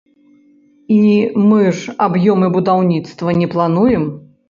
І мы ж аб'ёмы будаўніцтва не плануем.